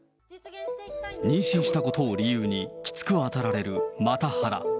妊娠したことを理由に、きつくあたられるマタハラ。